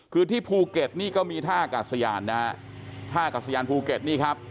คือที่ภูเก็ตนี่ก็มีท่ากาศยานนะฮะท่ากัศยานภูเก็ตนี่ครับ